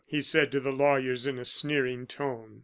he said to the lawyers, in a sneering tone.